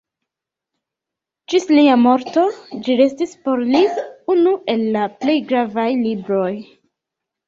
Ĝis lia morto ĝi restis por li unu el la plej gravaj libroj.